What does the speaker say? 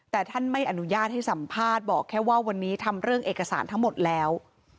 แต่ท่านไม่อนุญาตให้สัมภาษณ์บอกแค่ว่าวันนี้ทำเรื่องเอกสารทั้งหมดแล้ว